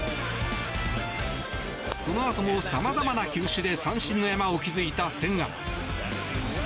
そのあとも、さまざまな球種で三振の山を築いた千賀。